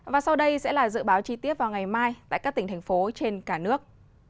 và sau đây sẽ là dự báo chi tiết vào ngày mai tại các tỉnh thành phố trên cả nước